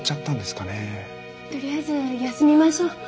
とりあえず休みましょう。